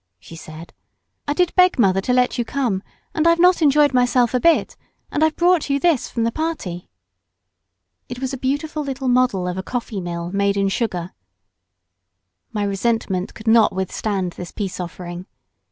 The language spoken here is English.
she said. "I did beg mother to let you come, and I've not enjoyed myself a bit, and I've brought you this from the party." It was a beautiful little model of a coffeemill made in sugar. My resentment could not withstand this peace offering.